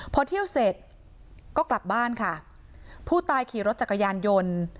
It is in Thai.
พอเที่ยวเสร็จก็กลับบ้านค่ะผู้ตายขี่รถจักรยานยนต์